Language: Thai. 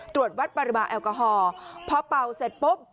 ตรวจวัดปริมาณแอลกอฮอล์พอเป่าเสร็จปุ๊บ